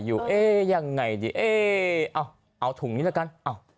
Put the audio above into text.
อยู่เอ่อยังไงดีเอ่เอาเอาถุงนี้ละกันเอ้า